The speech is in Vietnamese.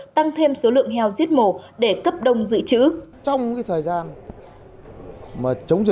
tăng thêm số lượng heo giết mổ để cấp đông dự trữ